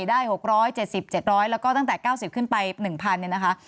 ได้หกร้อยเจ็ดสิบเจ็ดร้อยแล้วก็ตั้งแต่เก้าสิบขึ้นไปหนึ่งพันเนี่ยนะคะ